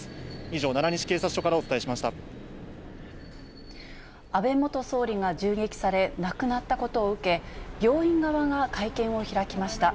以上、奈良西警察署からお伝えし安倍元総理が銃撃され、亡くなったことを受け、病院側が会見を開きました。